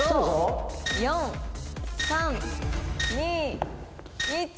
４３２１。